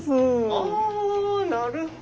あなるほど。